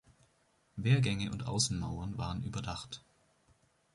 Wehrgänge und Außenmauern waren überdacht.